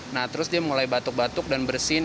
nah terus dia mulai batuk batuk dan bersin